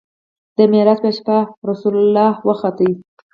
د معراج په شپه رسول الله وخوت.